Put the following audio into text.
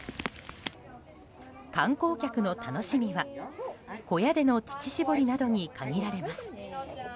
観光客の楽しみは、小屋での乳搾りなどに限られます。